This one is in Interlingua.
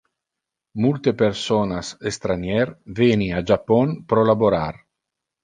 Multe personas estranier veni a Japon pro laborar.